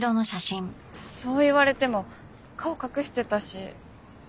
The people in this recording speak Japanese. そう言われても顔隠してたし。